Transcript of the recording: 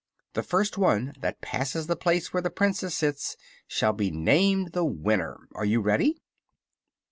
The first one that passes the place where the Princess sits shall be named the winner. Are you ready?"